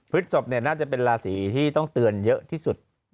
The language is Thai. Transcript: ศพน่าจะเป็นราศีที่ต้องเตือนเยอะที่สุด